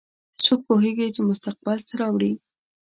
څوک پوهیږي چې مستقبل څه راوړي